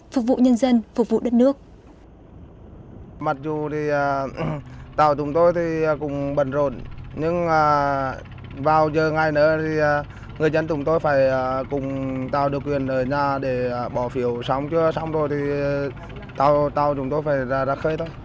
phục vụ nhân dân phục vụ đất nước